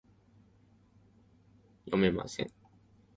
国縫駅